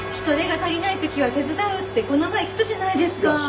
人手が足りない時は手伝うってこの前言ったじゃないですか。